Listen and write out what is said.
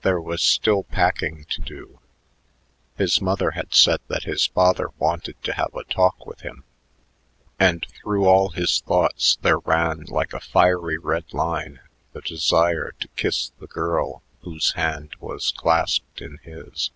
There was still packing to do; his mother had said that his father wanted to have a talk with him and through all his thoughts there ran like a fiery red line the desire to kiss the girl whose hand was clasped in his.